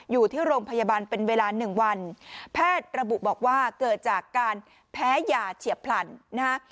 อยู่ที่โรงพยาบาลเป็นเวลาหนึ่งวันแพทย์ระบุบอกว่าเกิดจากการแพ้ยาเฉียบพลันนะฮะ